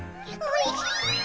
おいしい！